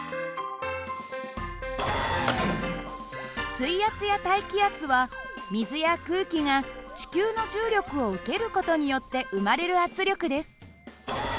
水圧や大気圧は水や空気が地球の重力を受ける事によって生まれる圧力です。